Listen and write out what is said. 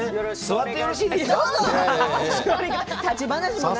座ってよろしいですか。